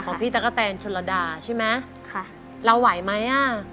ของพี่ตั๊กกะแตนชุระดาใช่มั้ย